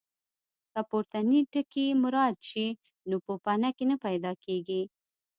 که پورتني ټکي مراعات شي نو پوپنکي نه پیدا کېږي.